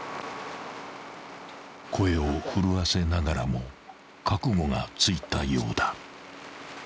［声を震わせながらも覚悟がついたようだ］